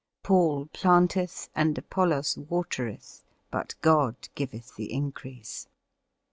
"Paul planteth and Apollos watereth, but God giveth the increase."